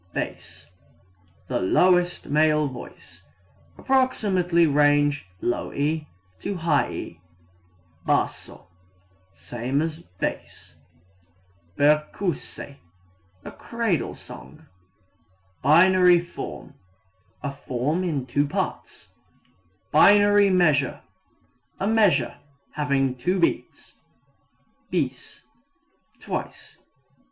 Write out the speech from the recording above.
Bass the lowest male voice. Approximate range E e'. Basso same as bass. Berceuse a cradle song. Binary form a form in two parts. Binary measure a measure having two beats. Bis twice.